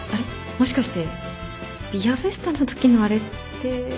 もしかしてビアフェスタのときのあれって。